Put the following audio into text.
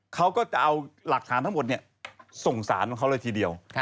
เขาก็จะเอาหลักฐานทั้งหมดส่งสารของเขาเลยทีเดียว